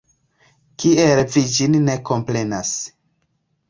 Kiel vi ĝin ne komprenas?